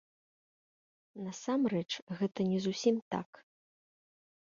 Насамрэч, гэта не зусім так.